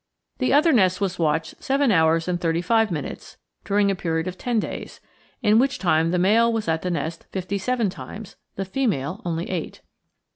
The other nest was watched seven hours and thirty five minutes, during a period of ten days, in which time the male was at the nest fifty seven times; the female, only eight.